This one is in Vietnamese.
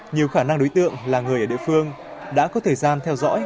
nhiều khả năng đối tượng là người ở địa phương đã có thời gian theo dõi